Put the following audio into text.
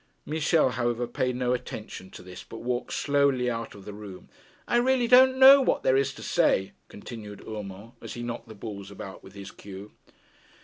Michel, however, paid no attention to this, but walked slowly out of the room. 'I really don't know what there is to say,' continued Urmand, as he knocked the balls about with his cue.